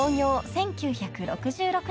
１９６６年